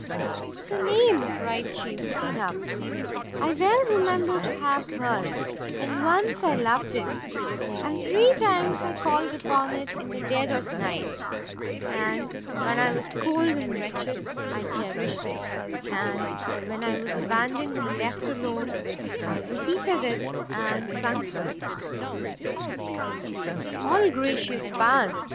"'Tis a name," cried she, sitting up, "I well remember to have heard, and once I loved it, and three times I called upon it in the dead of night. And when I was cold and wretched, I cherished it; and when I was abandoned and left alone, I repeated it and sung to it." "All gracious powers!"